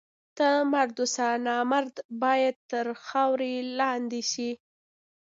ته مرد اوسه! نامردان باید تر خاورو لاندي سي.